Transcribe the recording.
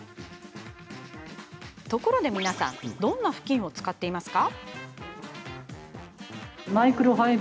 ところで皆さんどんなふきんを使っていますか？